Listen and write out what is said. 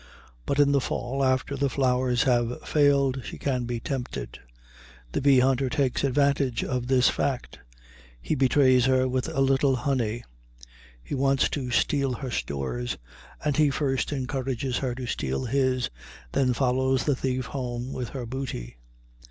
But in the fall, after the flowers have failed, she can be tempted. The bee hunter takes advantage of this fact; he betrays her with a little honey. He wants to steal her stores, and he first encourages her to steal his, then follows the thief home with her booty.